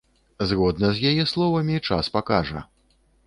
Згодна з яе словамі, час пакажа.